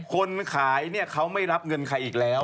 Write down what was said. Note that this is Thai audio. คนขายเนี่ยเขาไม่รับเงินใครอีกแล้ว